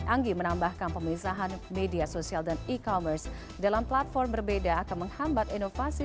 anggi menambahkan pemisahan media sosial dan e commerce dalam platform berbeda akan menghambat inovasi